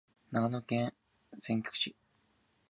長野県千曲市